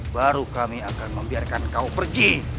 baru kami akan membiarkan kau pergi